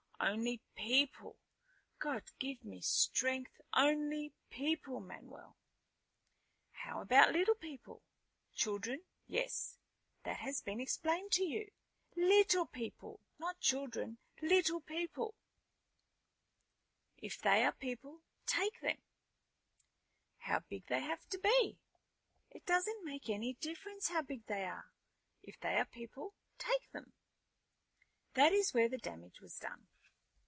"Only people God give me strength! only people, Manuel." "How about little people?" "Children, yes. That has been explained to you." "Little people. Not children, little people." "If they are people, take them." "How big they have to be?" "It doesn't make any difference how big they are. If they are people, take them." That is where the damage was done.